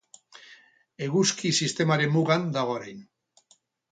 Eguzki Sistemaren mugan dago orain.